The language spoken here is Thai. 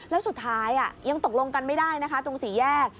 แล้วสุดท้ายยังตกลงกันไม่ได้นะคะตรงสี่แยก